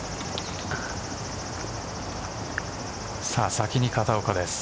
先に片岡です。